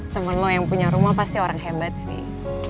temen lo yang punya rumah pasti orang hebat sih